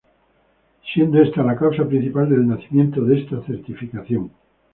Siendo esta la causa principal del nacimiento de esta certificación.